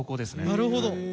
なるほど。